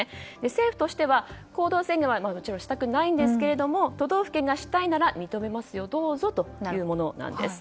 政府としては行動制限はもちろんしたくないんですが都道府県がしたいなら認めますよどうぞ、というものなんです。